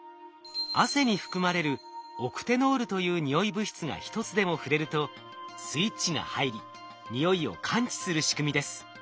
汗に含まれるオクテノールというにおい物質が一つでも触れるとスイッチが入りにおいを感知する仕組みです。